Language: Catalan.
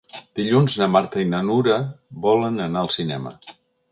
Dilluns na Marta i na Nura volen anar al cinema.